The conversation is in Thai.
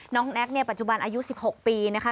แน็กเนี่ยปัจจุบันอายุ๑๖ปีนะคะ